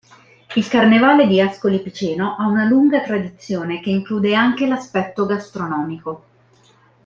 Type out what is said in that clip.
Il Carnevale di Ascoli Piceno ha una lunga tradizione che include anche l'aspetto gastronomico.